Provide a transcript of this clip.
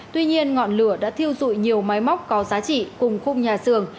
tuy nhiên ngọn lửa đã thiêu dụi nhiều máy móc có giá trị cùng khung nhà xưởng